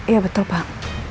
ya betul pak